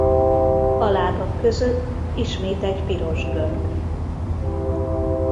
A lábak között ismét egy piros gömb.